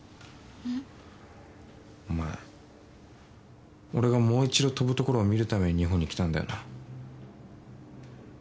お前俺がもう一度跳ぶところを見るために日本に来たんだよな？